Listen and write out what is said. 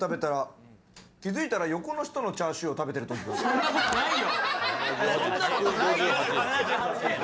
そんなのないよ。